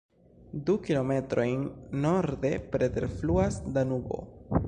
Du kilometrojn norde preterfluas Danubo.